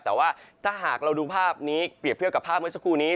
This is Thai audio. แต่ว่าถ้าหากเราดูภาพนี้เปรียบเทียบกับภาพเมื่อสักครู่นี้